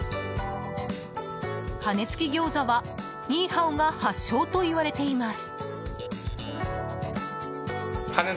羽根つき餃子はニーハオが発祥といわれています。